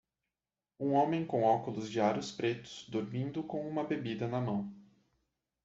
um homem com óculos de aros pretos, dormindo com uma bebida na mão